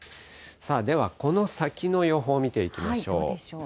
ではこの先の予報見ていきましょう。